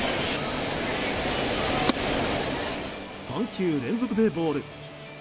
３球連続でボール。